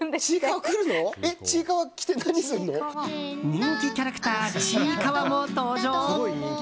人気キャラクターちいかわも登場？